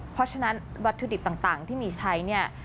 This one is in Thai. เพราะฉะนั้นวัตถุดิบต่างที่มีใช้เนี่ย